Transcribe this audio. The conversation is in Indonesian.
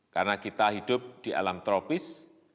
karena kita hidup di alam tropis